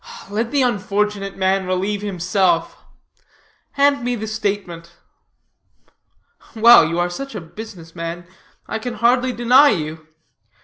"Let the unfortunate man relieve himself. Hand me the statement." "Well, you are such a business man, I can hardly deny you.